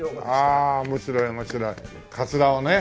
ああ面白い面白いかつらをね。